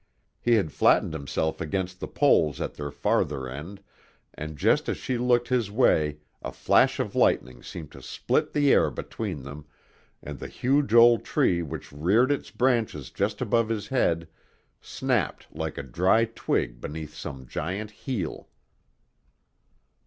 He had flattened himself against the poles at their farther end, and just as she looked his way a flash of lightning seemed to split the air between them and the huge old tree which reared its branches just above his head, snapped like a dry twig beneath some giant heel.